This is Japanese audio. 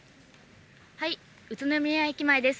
宇都宮駅前です。